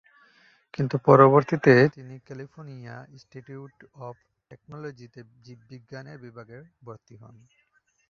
কিন্তু পরবর্তীতে তিনি ক্যালিফোর্নিয়া ইন্সটিটিউট অফ টেকনোলজিতে জীববিজ্ঞান বিভাগে ভর্তি হন।